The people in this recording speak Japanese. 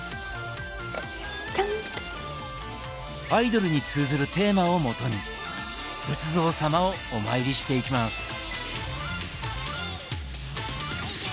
アイドルに通ずるテーマをもとに仏像様をお参りしていきます。